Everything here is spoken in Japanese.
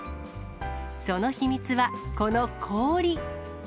その秘密は、この氷。